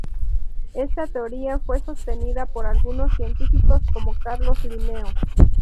Esta teoría fue sostenida por algunos científicos como Carlos Linneo.